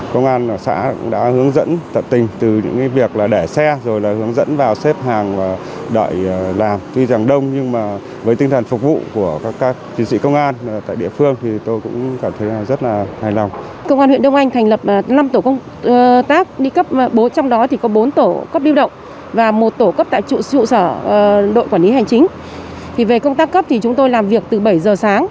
công an xã thường thông báo nịch cấp căn cấp công dân cho nhân dân trước khoảng năm ngày để nhân dân chủ động